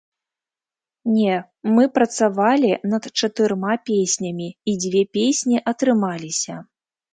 Не, мы працавалі над чатырма песнямі, і дзве песні атрымаліся.